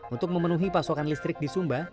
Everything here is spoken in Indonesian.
untuk memenuhi pasokan listrik di sumba